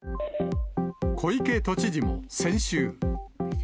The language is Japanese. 小池都知事も先週。